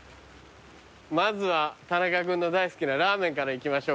まずは田中君の大好きなラーメンからいきましょうか。